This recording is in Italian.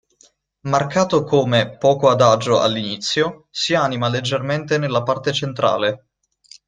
Marcato come "poco adagio" all'inizio, si anima leggermente nella parte centrale.